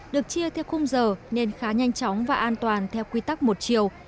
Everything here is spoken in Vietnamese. được chia theo khung giờ nên khá nhanh chóng và an toàn theo quy tắc một chiều